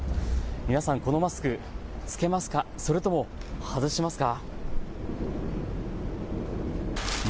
皆さん、このマスク、着けますか、それとも外しますか。